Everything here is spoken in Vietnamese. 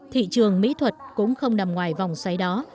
thị trường mỹ thuật cũng không nằm ngoài vòng xoáy đó